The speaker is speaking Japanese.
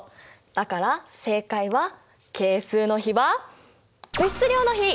だから正解は係数の比は物質量の比！